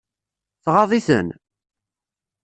Tɣaḍ-iten?